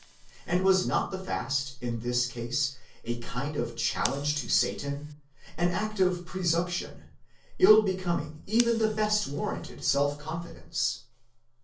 And was not the fast, in this case, a kind of challenge to Satan, an act of presumption, ill becoming even the best warranted self confidence